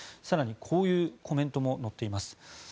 更に、こういうコメントも載っています。